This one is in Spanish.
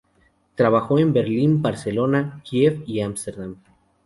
Trabajó en Berlín, Barcelona, Kiev y Ámsterdam.